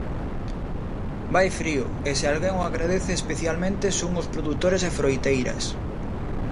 Vai frío, e se alguén o agradece especialmente son os produtores de froiteiras.